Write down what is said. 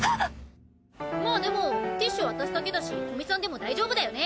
まあでもティッシュ渡すだけだし古見さんでも大丈夫だよね！